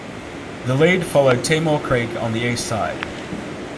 The lead followed Timor Creek on the east side.